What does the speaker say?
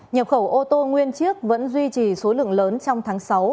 nhập khẩu ô tô nguyên chiếc vẫn duy trì số lượng lớn trong tháng sáu